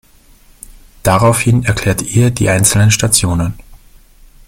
Daraufhin erklärt ihr die einzelnen Stationen.